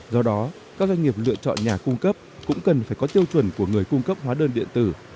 do đó các doanh nghiệp lựa chọn nhà cung cấp cũng cần phải có tiêu chuẩn của người cung cấp hóa đơn điện tử